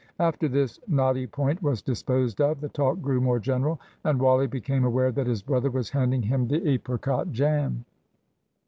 After this knotty point was disposed of the talk grew more general, and Wally became aware that his brother was handing him the apricot jam.